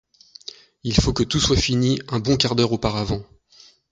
Il faut que tout soit fini un bon quart d’heure auparavant.